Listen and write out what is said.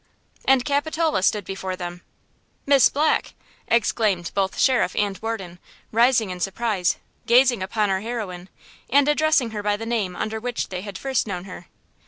And Capitola stood before them! "Miss Black!" exclaimed both sheriff and warden, rising in surprise, gazing upon our heroine, and addressing her by the name under which they had first known her.